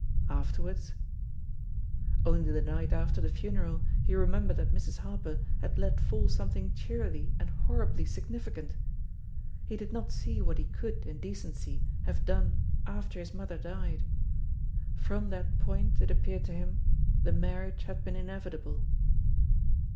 Afterwards Only the night after the fu neral, he remembered that Mrs. Harper had let fall something cheerily and horribly significant! He did not see what he could, in decency, have done after his mother died; from that point, it appeared to him, the marriage had been in evitable.